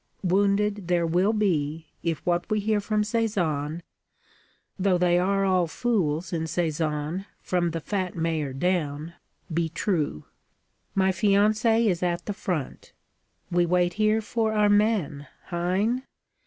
Wounded there will be, if what we hear from Sézanne though they are all fools in Sézanne, from the fat mayor down be true. My fiancé is at the front. We wait here for our men, hein?'